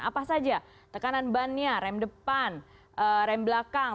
apa saja tekanan bannya rem depan rem belakang